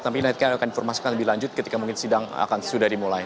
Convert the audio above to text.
tapi nanti akan informasikan lebih lanjut ketika mungkin sidang akan sudah dimulai